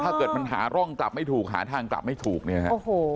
ถ้าเกิดมันหาร่องกลับไม่ถูกหาทางกลับไม่ถูกเนี่ยฮะโอ้โห